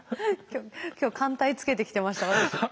今日環帯つけてきてました私。